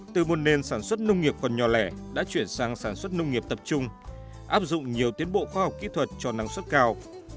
từ một nền sản xuất nông nghiệp còn nhỏ lẻ đã chuyển sang sản xuất nông nghiệp tập trung áp dụng nhiều tiến bộ khoa học kỹ thuật cho năng suất cao